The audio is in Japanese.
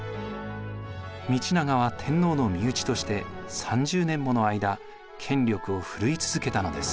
道長は天皇の身内として３０年もの間権力を振るい続けたのです。